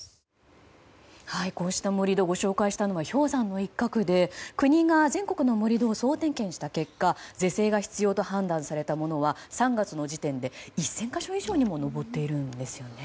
こうした盛り土を紹介しましたが、これは氷山の一角で国が全国の盛り土を総点検した結果是正が必要と判断されたものは３月時点で１０００か所以上にも上っているんですよね。